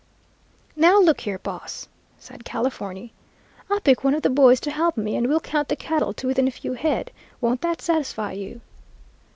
"'Now look here, boss,' said Californy, 'I'll pick one of the boys to help me, and we'll count the cattle to within a few head. Won't that satisfy you?'